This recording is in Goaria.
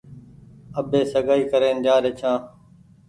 آٻي سگآئي ڪرين جآ ري ڇآن۔